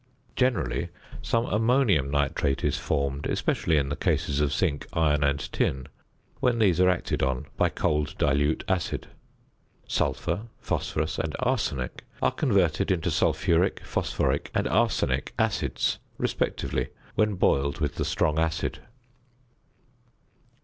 Generally some ammonium nitrate is formed, especially in the cases of zinc, iron, and tin, when these are acted on by cold dilute acid. Sulphur, phosphorus, and arsenic are converted into sulphuric, phosphoric, and arsenic acids respectively, when boiled with the strong acid.